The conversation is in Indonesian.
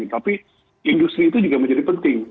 tapi industri itu juga menjadi penting